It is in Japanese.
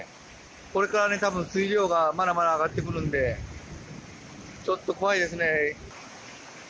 これから多分水量がまだまだ上がってくるのでちょっと怖いですね。